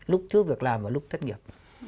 lúc chứa việc làm và lúc thất nghiệp